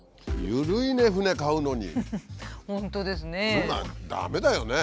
そんな駄目だよね。